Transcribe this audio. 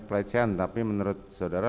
pelecehan tapi menurut saudara